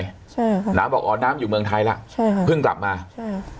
ใช่ค่ะน้ำบอกอ๋อน้ำอยู่เมืองไทยแล้วใช่ค่ะเพิ่งกลับมาใช่